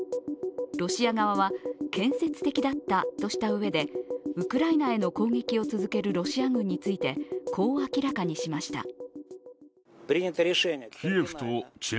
ロシア側は建設的だったとしたうえでウクライナへの攻撃を続けるロシア軍についてこう明らかにしました。